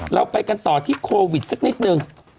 เราไปกันต่อที่โควิดสักนิดนึง